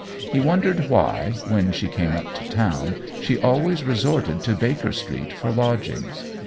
He wondered why, when she came up to town, she always resorted to Baker Street for lodgings.